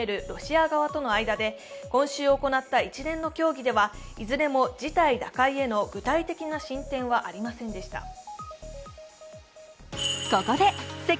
ロシア側との間で今週行った一連の協議ではいずれも事態打開への具体的な進展はありませんでした。